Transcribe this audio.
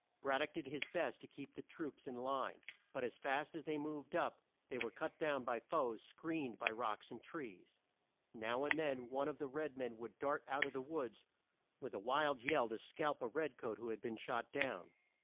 Brad dock did his best to keep the troops in line; but as fast as they moved up, they were cut down by foes screened by rocks and trees. Now and then one of the red men would dart out of the woods with a wild yell to scalp a red coat who had been shot down.